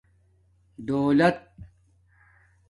دݸلت